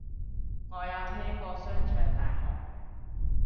我有聽過商場大學